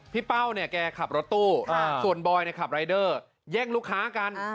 เป้าเนี่ยแกขับรถตู้ส่วนบอยขับรายเดอร์แย่งลูกค้ากัน